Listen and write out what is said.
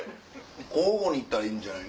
交互に行ったらいいんじゃない？